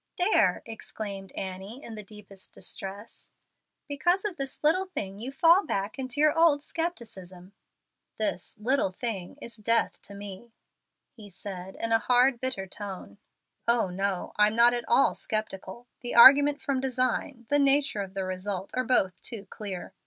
"There," exclaimed Annie, in the deepest distress; "because of this little thing you fall back into your old scepticism." "This 'little thing' is death to me," he said, in a hard, bitter tone. "Oh no, I'm not at all sceptical. The 'argument from design,' the nature of the result, are both too clear.